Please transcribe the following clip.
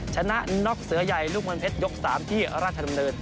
ชนะน็อกเสือใหญ่ลูกเมืองเพชรยก๓ที่ราชดำเนิน